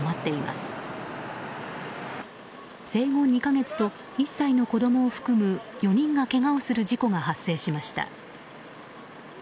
生後２か月と１歳の子供を含む４人がけがをする事故が発生しました。